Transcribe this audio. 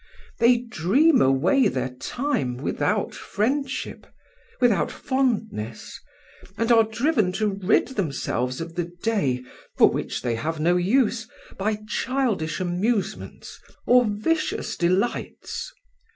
They dream away their time without friendship, without fondness, and are driven to rid themselves of the day, for which they have no use, by childish amusements or vicious delights.